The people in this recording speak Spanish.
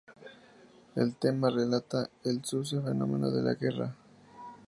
El tema relata el sucio fenómeno de la guerra.